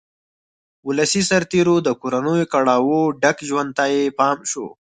ولسي سرتېرو د کورنیو کړاوه ډک ژوند ته یې پام شو.